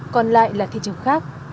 còn lại là thị trường khác